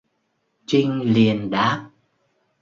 Trinh liền đáp